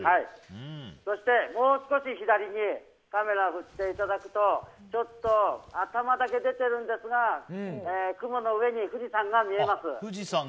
そして、もう少し左にカメラを振っていただくと頭だけ出ているんですが雲の上に富士山が見えます。